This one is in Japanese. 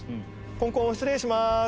コンコン失礼します。